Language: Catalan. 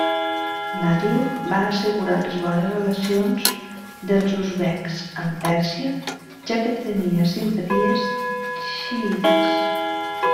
Nadir va assegurar les bones relacions dels uzbeks amb Pèrsia, ja que tenia simpaties xiïtes.